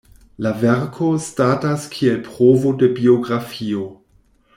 La verko statas kiel provo de biografio.